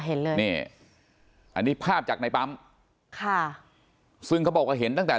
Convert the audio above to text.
เห็นเลยนี่อันนี้ภาพจากในปั๊มค่ะซึ่งเขาบอกว่าเห็นตั้งแต่